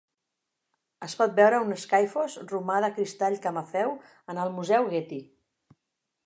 Es pot veure un "skyphos" romà de cristall camafeu en el Museu Getty.